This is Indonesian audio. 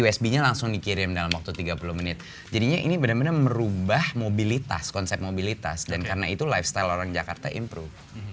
usb nya langsung dikirim dalam waktu tiga puluh menit jadinya ini benar benar merubah mobilitas konsep mobilitas dan karena itu lifestyle orang jakarta improve